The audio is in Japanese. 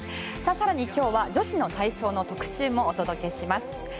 更に今日は女子の体操の特集もお届けします。